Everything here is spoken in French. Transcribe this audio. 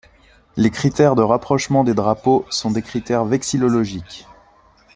Les critères de rapprochement des drapeaux sont des critères vexillologiques.